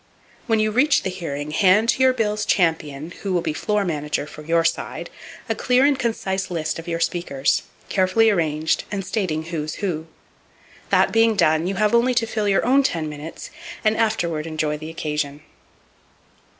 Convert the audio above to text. [Page 262] When you reach the hearing, hand to your bill's champion, who will be floor manager for your side, a clear and concise list of your speakers, carefully arranged and stating who's who. That being done, you have only to fill your own ten minutes and afterward enjoy the occasion.